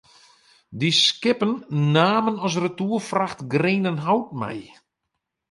Dy skippen namen as retoerfracht grenenhout mei.